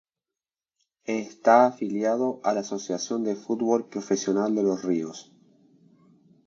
Está afiliado a la Asociación de Fútbol Profesional de Los Ríos.